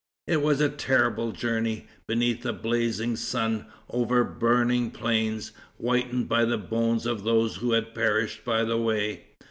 It was a terrible journey, beneath a blazing sun, over burning plains, whitened by the bones of those who had perished by the way.